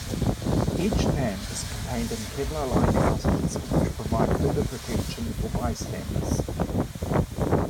Each fan is contained in Kevlar-lined housings which provide further protection for bystanders.